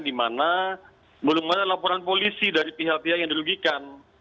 di mana belum ada laporan polisi dari pihak pihak yang dirugikan